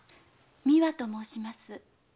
美和と申します。